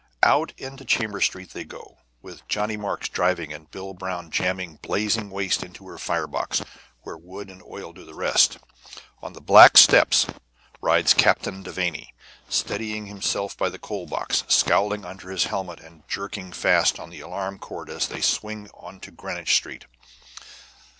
Out into Chambers Street they go, with Johnnie Marks driving and Bill Brown jamming blazing waste into her fire box, where wood and oil do the rest. On the back steps rides Captain Devanny, steadying himself by the coal box, scowling under his helmet, and jerking fast on the alarm cord as they swing into Greenwich Street.